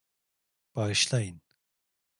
Bağışlayın.